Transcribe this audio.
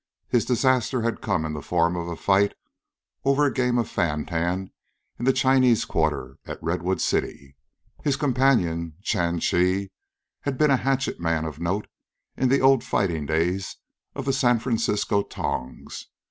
His disaster had come in the form of a fight over a game of fan tan in the Chinese quarter at Redwood City. His companion, Chan Chi, had been a hatchet man of note, in the old fighting days of the San Francisco tongs.